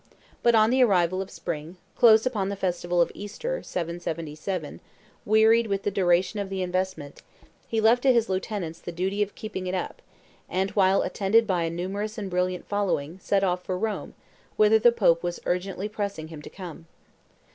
But on the arrival of spring, close upon the festival of Easter, 774, wearied with the duration of the investment, he left to his lieutenants the duty of keeping it up, and, attended by a numerous and brilliant following, set off for Rome, whither the Pope was urgently pressing him to come.